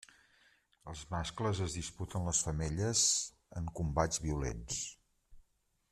Els mascles es disputen les femelles en combats violents.